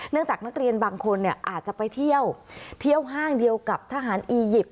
จากนักเรียนบางคนอาจจะไปเที่ยวเที่ยวห้างเดียวกับทหารอียิปต์